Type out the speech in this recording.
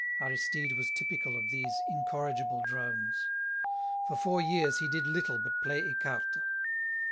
Aristide was typical of these incorrigible drones. For four years he did little but play écarté.